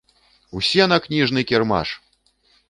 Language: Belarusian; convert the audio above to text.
Усе на кніжны кірмаш!